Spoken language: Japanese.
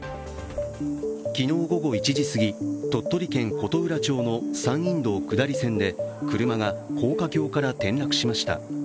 昨日午後１時すぎ、鳥取県琴浦町の山陰道下り線で車が高架橋から転落しました。